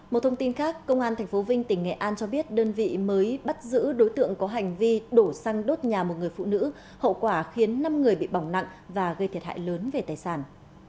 một thông tin khác công an tp vinh tỉnh nghệ an cho biết đơn vị mới bắt giữ đối tượng có hành vi đổ xăng đốt nhà một người phụ nữ hậu quả khiến năm người bị bỏng nặng và gây thiệt hại lớn về tài sản